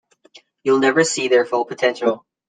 You'll never see their full potential.